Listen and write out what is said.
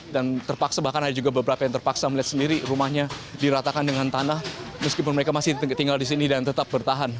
terpaksa bahkan ada juga beberapa yang terpaksa melihat sendiri rumahnya diratakan dengan tanah meskipun mereka masih tinggal di sini dan tetap bertahan